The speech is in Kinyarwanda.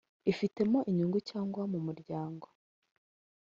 ifitemo inyungu cyangwa mu muryango